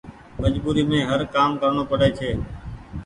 مجبوري مين هر ڪآم ڪرڻو پڙي ڇي۔